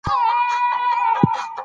الفا اکتینین درې جینیټیکي بدلون لري.